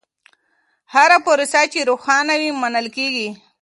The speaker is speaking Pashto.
هره پروسه چې روښانه وي، منل کېږي.